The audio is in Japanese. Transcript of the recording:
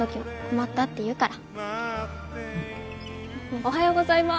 おはようございます。